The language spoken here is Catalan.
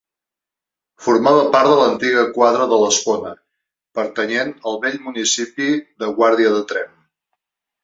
Formava part de l'antiga quadra de l'Espona, pertanyent al vell municipi de Guàrdia de Tremp.